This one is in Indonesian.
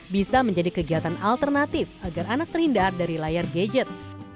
bisa menjadi kegiatan alternatif agar anak terhindar dari layar gadget